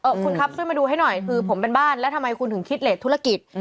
คุณครับช่วยมาดูให้หน่อยคือผมเป็นบ้านแล้วทำไมคุณถึงคิดเลสธุรกิจ